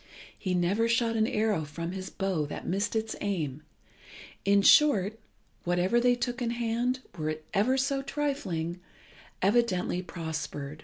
He never shot an arrow from his bow that missed its aim. In short, whatever they took in hand, were it ever so trifling, evidently prospered.